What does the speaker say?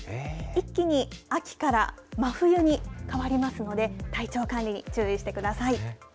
一気に秋から真冬に変わりますので、体調管理に注意してください。